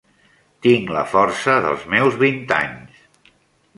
Tinc la força dels meus vint anys.